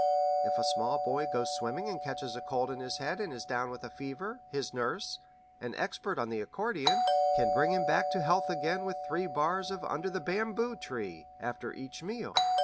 If a small boy goes swimming and catches a cold in his head and is down with a fever, his nurse, an expert on the accordion, can bring him back to health again with three bars of 'Under the Bamboo Tree' after each meal.